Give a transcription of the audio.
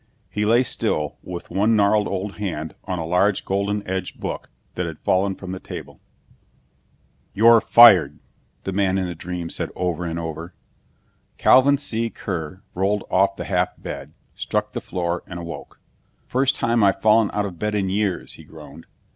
He lay still with one gnarled old hand on a large golden edged book that had fallen from the table. "You're fired," the man in the dream said over and over. Calvin C. Kear rolled off the half bed, struck the floor, and awoke. "First time I've fallen out of bed in years," he groaned.